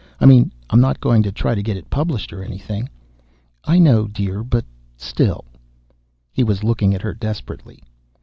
I mean, I'm not going to try to get it published, or anything." "I know, dear, but still " He was looking at her desperately.